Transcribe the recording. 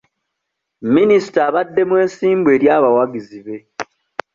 Minisita abadde mwesimbu eri abawagizi be.